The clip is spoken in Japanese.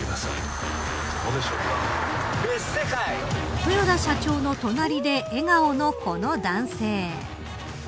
豊田社長の隣で笑顔のこの男性。